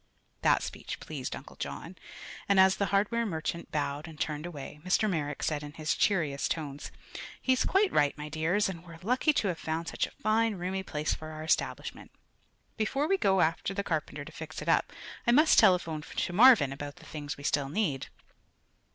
That speech pleased Uncle John, and as the hardware merchant bowed and turned away, Mr. Merrick said in his cheeriest tones: "He's quite right, my dears, and we're lucky to have found such a fine, roomy place for our establishment. Before we go after the carpenter to fix it up I must telephone to Marvin about the things we still need."